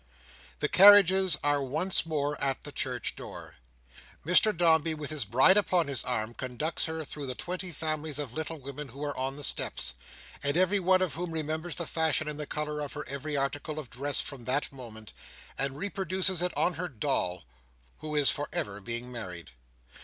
The carriages are once more at the church door. Mr Dombey, with his bride upon his arm, conducts her through the twenty families of little women who are on the steps, and every one of whom remembers the fashion and the colour of her every article of dress from that moment, and reproduces it on her doll, who is for ever being married.